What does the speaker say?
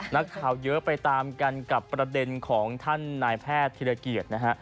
นักข่าวเยอะไปตามกันกับประเด็นของท่านนายแพทย์ธิรเกียรตินะฮะ